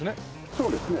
そうですね。